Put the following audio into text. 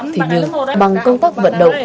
thế nhưng bằng công tác vận động